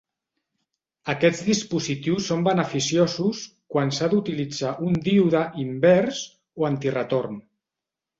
Aquests dispositius són beneficiosos quan s'ha d'utilitzar un díode invers o antiretorn.